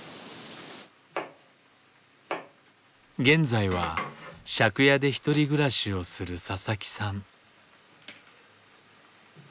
現在は借家で１人暮らしをする佐々木さん。